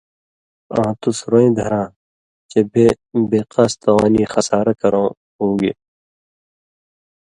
آں تُس روئیں دھراں چے بے بےقاس توانی (خسارہ کرؤں) ہُو گے۔